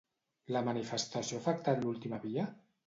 La manifestació ha afectat l'última via?